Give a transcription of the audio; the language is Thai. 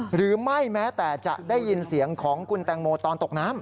หรือไม่แม้แต่จะได้ยินเสียงของคุณแตงโมตอนตกน้ำ